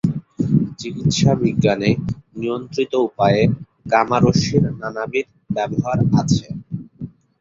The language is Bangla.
চিকিৎসা বিজ্ঞানে নিয়ন্ত্রিত উপায়ে গামা রশ্মির নানাবিধ ব্যবহার আছে।